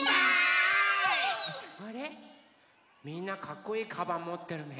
あれっみんなかっこいいカバンもってるね。